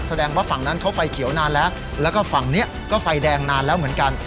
แสดงว่าฝั่งนั้นเขาไฟเขียวนานแล้วแล้วก็ฝั่งนี้ก็ไฟแดงนานแล้วเหมือนกัน